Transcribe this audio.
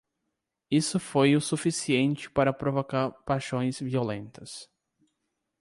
Isso foi o suficiente para provocar paixões violentas.